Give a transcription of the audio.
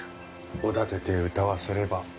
おだててうたわせれば。